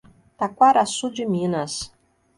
Taquaraçu de Minas